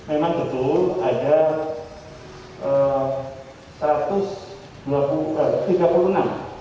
tiga puluh memang betul ada satu ratus tiga puluh enam positif